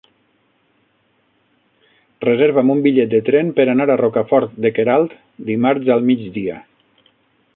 Reserva'm un bitllet de tren per anar a Rocafort de Queralt dimarts al migdia.